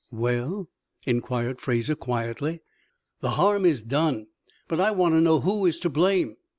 "Well?" inquired Fraser, quietly. "The harm is done, but I want to know who is to blame."